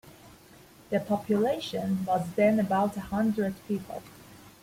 The population was then about a hundred people.